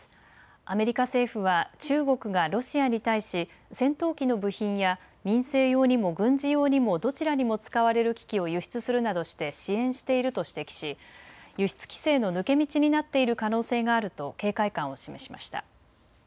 アメリカ政府は中国がロシアに対し戦闘機の部品や民生用にも軍事用にもどちらにも使われる機器を輸出するなどして支援していると指摘し輸出規制の抜け道になっている可能性があると警戒感を示しました。